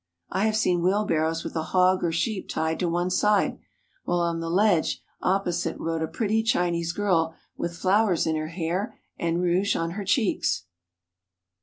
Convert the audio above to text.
I have seen wheelbarrows with a hog or sheep tied to one side, while on the ledge opposite rode a pretty Chinese girl with flowers in her hair and rouge on her cheeks.